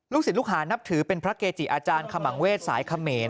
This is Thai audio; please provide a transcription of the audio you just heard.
ศิลปลูกหานับถือเป็นพระเกจิอาจารย์ขมังเวศสายเขมร